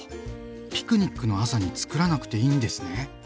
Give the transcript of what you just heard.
ピクニックの朝につくらなくていいんですね。